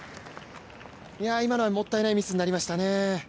今のはもったいないミスになりましたね。